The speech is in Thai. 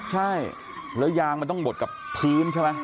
ใช่แล้วยางมันต้องบดกับพื้นใช่ไหม